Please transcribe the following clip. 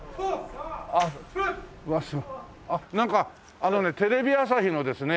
あのねテレビ朝日のですね